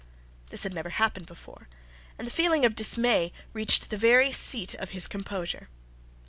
This had never happened before, and the feeling of dismay reached the very seat of his composure.